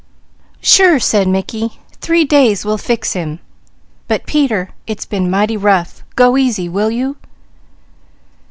"Sure!" said Mickey. "Three days will fix him, but Peter, it's been mighty rough! Go easy, will you?"